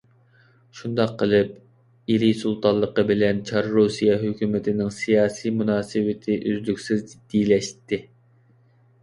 شۇنداق قىلىپ، ئىلى سۇلتانلىقى بىلەن چار رۇسىيە ھۆكۈمىتىنىڭ سىياسىي مۇناسىۋىتى ئۈزلۈكسىز جىددىيلەشتى.